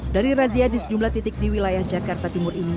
dari razia di sejumlah titik di wilayah jakarta timur ini